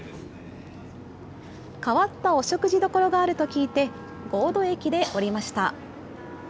変わったお食事処があると聞いて、神戸駅で降りました。